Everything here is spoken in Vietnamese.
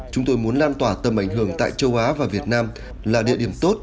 chúng tôi muốn lan tỏa tầm ảnh hưởng tại châu á và việt nam là địa điểm tốt